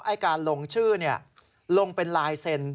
การลงชื่อลงเป็นลายเซ็นต์